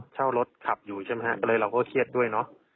เช่ารถขับอยู่ใช่ไหมครับเราก็เครียดด้วย